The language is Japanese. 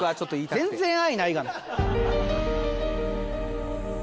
全然愛ないがな。